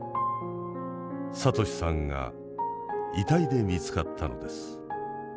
聡さんが遺体で見つかったのです。